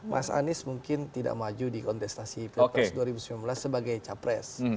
mas anis mungkin tidak maju di kontestasi piala dunia dua ribu sembilan belas sebagai cawapres